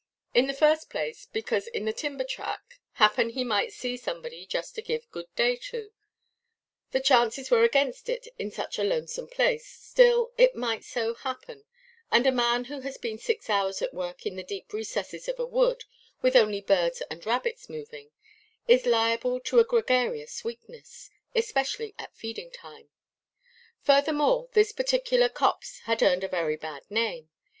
In the first place, because in the timber–track happen he might see somebody just to give "good day" to; the chances were against it in such a lonesome place, still it might so happen; and a man who has been six hours at work in the deep recesses of a wood, with only birds and rabbits moving, is liable to a gregarious weakness, especially at feeding–time. Furthermore, this particular copse had earned a very bad name.